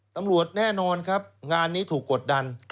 แน่นอนครับงานนี้ถูกกดดัน